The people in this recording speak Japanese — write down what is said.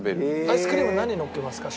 アイスクリームは何をのっけますか？